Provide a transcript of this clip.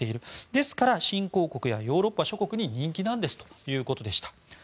ですから新興国やヨーロッパ諸国に人気なんですということでした。